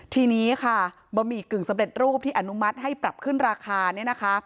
ทีนี้ค่ะบะหมี่กึ่งสำเร็จรูปที่อนุมัติให้ปรับขึ้นราคาเนี่ยนะคะ